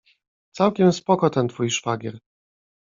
Całkiem spoko ten twój szwagier.